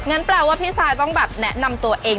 แปลว่าพี่ซายต้องแบบแนะนำตัวเอง